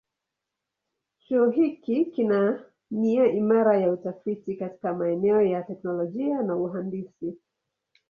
Chuo hiki kina nia imara ya utafiti katika maeneo ya teknolojia na uhandisi.